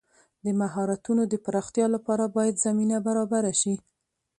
د مهارتونو د پراختیا لپاره باید زمینه برابره شي.